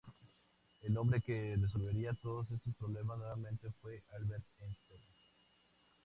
El hombre que resolvería todos estos problemas nuevamente fue Albert Stern.